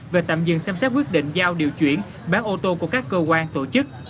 về tạm dừng xem xét quyết định giao điều chuyển bán ô tô của các cơ quan tổ chức